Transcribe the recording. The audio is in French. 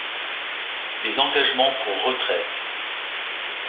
Les engagements pour retraite.